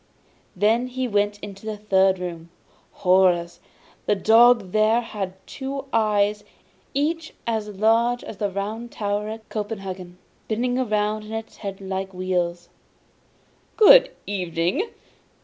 Then he went into the third room. Horrors! the dog there had two eyes, each as large as the Round Tower at Copenhagen, spinning round in his head like wheels. 'Good evening!